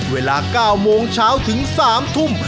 เวลา๙โมงเช้าถึง๓ทุ่ม